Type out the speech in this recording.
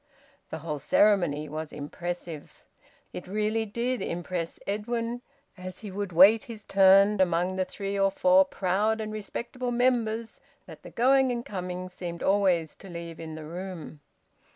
The whole ceremony was impressive. It really did impress Edwin, as he would wait his turn among the three or four proud and respectable members that the going and coming seemed always to leave in the room.